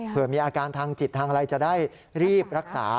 มีอาการทางจิตทางอะไรจะได้รีบรักษา